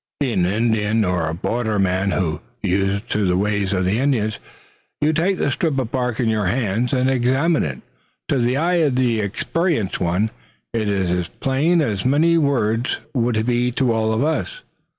Being an Indian, or a border man used to the ways of the Indians, you take the strip of bark in your hands, and examine it. To the eye of the experienced one it is as plain as so many words would be to all of us.